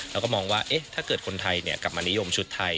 แล้วก็มองว่าถ้าเกิดคนไทยกลับมานิยมชุดไทย